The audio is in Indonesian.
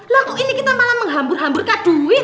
lalu ini kita malah menghambur hamburkan duit